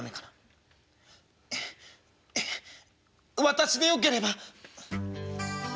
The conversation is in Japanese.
私でよければ」。